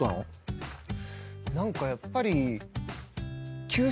何かやっぱり。